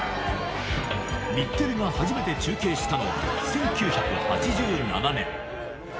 日テレが初めて中継したのは１９８７年。